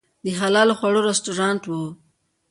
د حلال خواړو رستورانت و.